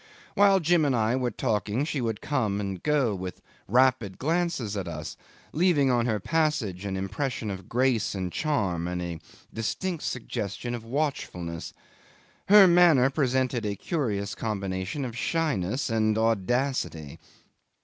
While Jim and I were talking, she would come and go with rapid glances at us, leaving on her passage an impression of grace and charm and a distinct suggestion of watchfulness. Her manner presented a curious combination of shyness and audacity.